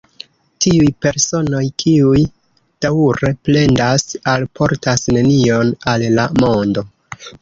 Tiuj personoj, kiuj daŭre plendas, alportas nenion al la mondo.